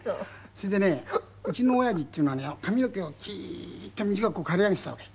それでねうちの親父っていうのはね髪の毛をキーッと短く刈り上げてたわけ。